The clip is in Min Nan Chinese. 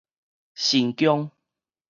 神宮